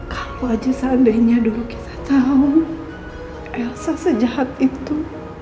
aku aja seandainya dulu kita tahu elsa sejahat itu